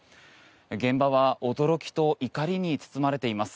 現場は驚きと怒りに包まれています。